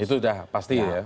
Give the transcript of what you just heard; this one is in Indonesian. itu udah pasti ya